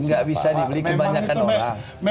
nggak bisa dibeli kebanyakan orang